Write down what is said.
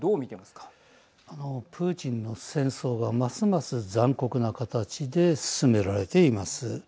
あのプーチンの戦争はますます残酷な形で進められています。